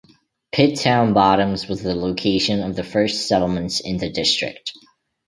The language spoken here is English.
Pitt Town Bottoms was the location of the first settlements in the district.